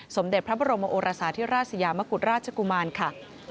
สมเด็จพระบรมโอราศาสตร์ที่ราชสิยามกุฎราชกุมันค่ะ